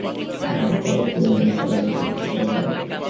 তরুণীকে প্রথমে গ্রামীণ হাসপাতালে এবং পরে বীরভূম জেলা হাসপাতালে ভর্তি করা হয়।